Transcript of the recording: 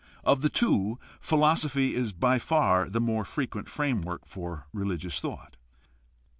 Of the two, philosophy is by far the more fre quent framework for religious thought.